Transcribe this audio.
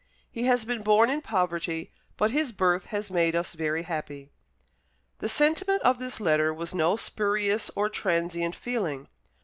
He has been born in poverty, but his birth has made us very happy." The sentiment of this letter was no spurious or transient feeling.